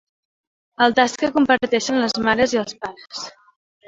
Altars que comparteixen les mares i els pares.